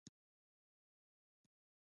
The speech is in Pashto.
مکاتیب په کومو ژبو لیکل کیږي؟